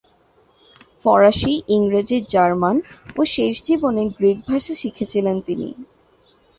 ফরাসি, ইংরেজি, জার্মান ও শেষ জীবনে গ্রীক ভাষা শিখেছিলেন তিনি।